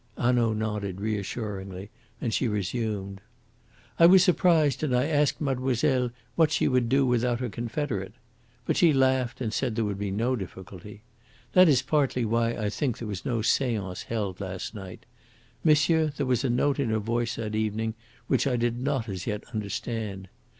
Hanaud nodded reassuringly, and she resumed: "I was surprised, and I asked mademoiselle what she would do without her confederate. But she laughed, and said there would be no difficulty. That is partly why I think there was no seance held last night. Monsieur, there was a note in her voice that evening which I did not as yet understand.